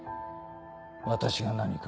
私が何か？